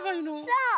そう！